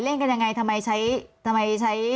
เล่นกันยังไงทำไมใช้